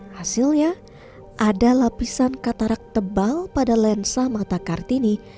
hasilnya ada lapisan katarak tebal pada lensa mata kartini